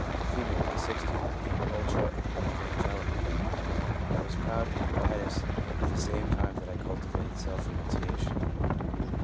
F. 'When 16 I became ultra evangelical ; I was proud and impetuous at the same time that I cultivated self renunciation.